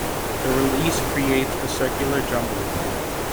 The release creates a circular jumble.